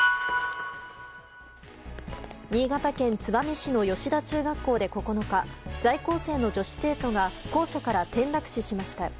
新潟県燕市の吉田中学校で９日、在校生の女子生徒が校舎から転落死しました。